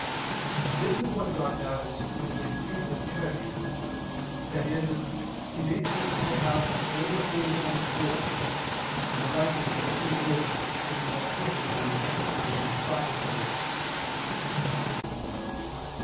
This is what God does when He increases charity, that is He makes it to have a greater hold on the soul, and the likeness of the Holy Ghost to be more perfectly participated by the soul.